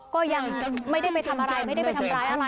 ก็ยังไม่ได้ไปทำอะไรไม่ได้ไปทำร้ายอะไร